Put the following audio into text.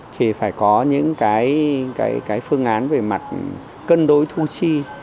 thì phải có những cái phương án về mặt cân đối thu chi